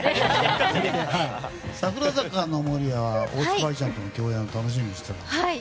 櫻坂の守屋は大塚愛ちゃんとの共演を楽しみにしてたんですか？